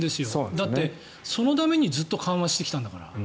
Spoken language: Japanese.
だって、そのためにずっと緩和してきたんだから。